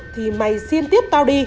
thì mày xiên tiếp hai nháp vào người hoàng